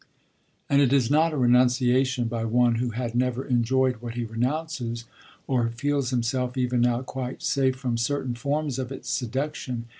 And it is not a renunciation by one who had never enjoyed what he renounces, or who feels himself, even now, quite safe from certain forms of its seduction.